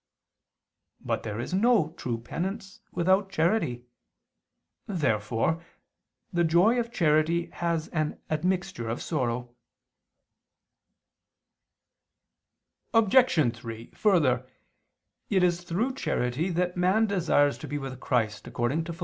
But there is no true penance without charity. Therefore the joy of charity has an admixture of sorrow. Obj. 3: Further, it is through charity that man desires to be with Christ according to Phil.